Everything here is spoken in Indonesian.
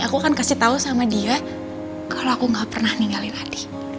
aku akan kasih tahu sama dia kalau aku gak pernah ninggalin lagi